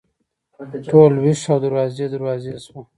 ټول ویښ او دروازې، دروازې شوه